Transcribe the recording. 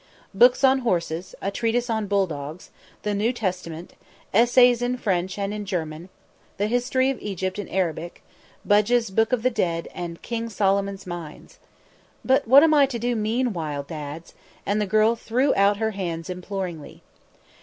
Books on horses, a treatise on bulldogs, the New Testament, essays in French and in German, the History of Egypt in Arabic, Budge's "Book of the Dead," and "King Solomon's Mines." "But what am I do meanwhile, Dads?" and the girl threw out her hands imploringly.